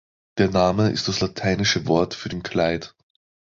Der Name ist das lateinische Wort für den Clyde.